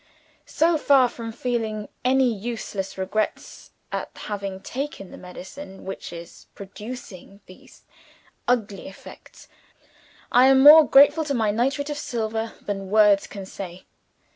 "So far from feeling any useless regrets at having taken the medicine which is producing these ugly effects, I am more grateful to my Nitrate of Silver than words can say.